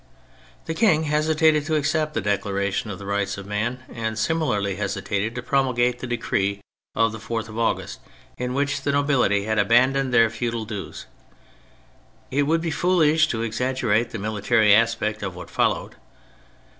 The King hesitated to accept the Declaration of the Rights of Man, and similarly hesitated to promulgate the Decree of the 4th of August in which the nobility had abandoned their feudal dues. It would be foolish to exaggerate the military aspect of what followed.